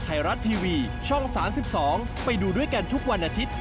ไทยรัฐทีวีช่อง๓๒ไปดูด้วยกันทุกวันอาทิตย์